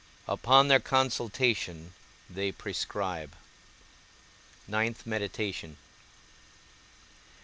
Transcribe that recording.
Upon their consultation they prescribe. IX. MEDITATION.